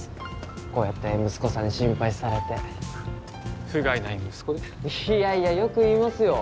こうやって息子さんに心配されてふがいない息子でいやいやよく言いますよ